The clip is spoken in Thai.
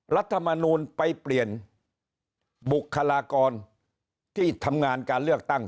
รัฐมนูลไปเปลี่ยนบุคลากรที่ทำงานการเลือกตั้ง